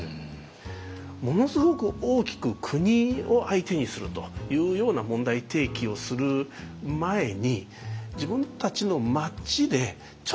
ものすごく大きく国を相手にするというような問題提起をする前に自分たちの町で「ちょっとここ困ってるよね」